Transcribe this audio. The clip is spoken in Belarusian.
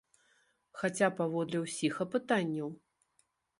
Хаця паводле ўсіх апытанняў?